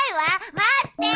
待ってー！